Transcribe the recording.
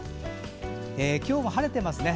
今日は晴れていますね。